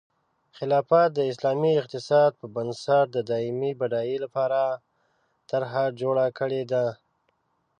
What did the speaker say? خلافت د اسلامي اقتصاد په بنسټ د دایمي بډایۍ لپاره طرحه جوړه کړې ده.